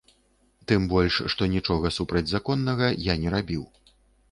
Тым больш, што нічога супрацьзаконнага я не рабіў.